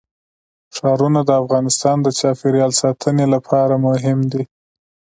ښارونه د افغانستان د چاپیریال ساتنې لپاره مهم دي.